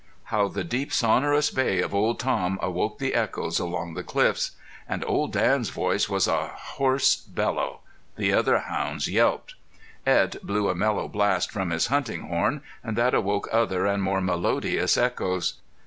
How the deep sonorous bay of Old Tom awoke the echoes under the cliffs! And Old Dan's voice was a hoarse bellow. The other hounds yelped. Edd blew a mellow blast from his hunting horn, and that awoke other and more melodious echoes.